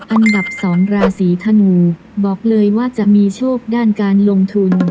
อันดับ๒ราศีธนูบอกเลยว่าจะมีโชคด้านการลงทุน